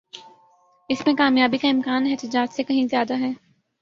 اس میں کامیابی کا امکان احتجاج سے کہیں زیادہ ہے۔